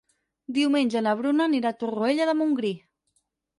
Diumenge na Bruna anirà a Torroella de Montgrí.